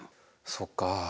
そっかあ。